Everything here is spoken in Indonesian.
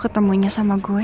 ketemunya sama gue